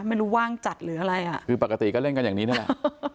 ไม่รู้ว่างจัดหรืออะไรอ่ะคือปกติก็เล่นกันอย่างนี้นั่นแหละ